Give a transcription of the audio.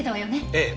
ええ。